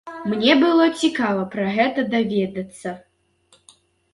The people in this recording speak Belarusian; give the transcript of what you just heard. Мне было цікава пра гэта даведацца.